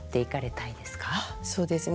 そうですね。